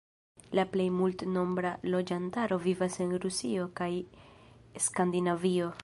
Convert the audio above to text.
La plej multnombra loĝantaro vivas en Rusio kaj Skandinavio.